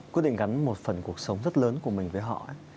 quyết định gắn một phần cuộc sống rất lớn của mình với họ